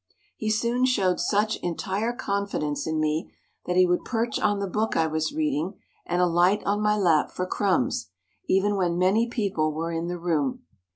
He soon showed such entire confidence in me that he would perch on the book I was reading, and alight on my lap for crumbs even when many people were in the room.